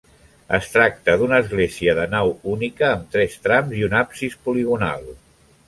Es tracta d'una església de nau única, amb tres trams i un absis poligonal.